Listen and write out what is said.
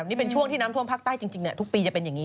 นี่เป็นช่วงที่น้ำท่วมภาคใต้จริงทุกปีจะเป็นอย่างนี้